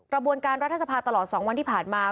ระบวนการรัฐสภาสตร์ตลอดสองวันที่ผ่านมา